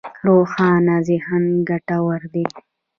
روښانه ذهن ګټور دی.